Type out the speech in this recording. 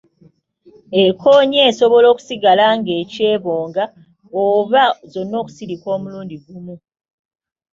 Ekoonye esobola okusigala ng'ekyebonga oba zonna okusirika omulundi gumu.